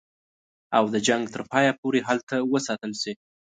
او د جنګ تر پایه پوري هلته وساتل شي.